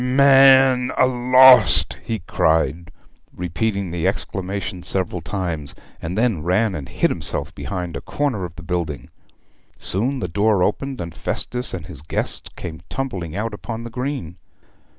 man a lost!' he cried, repeating the exclamation several times; and then ran and hid himself behind a corner of the building. Soon the door opened, and Festus and his guests came tumbling out upon the green.